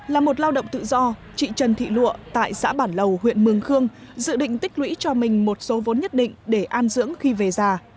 là một lao động tự do chị trần thị lụa tại xã bản lầu huyện mương khương dự định tích lũy cho mình một số vốn nhất định để an dưỡng khi về già